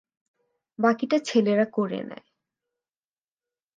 বাকিটা ছেলেরা করে নেয়।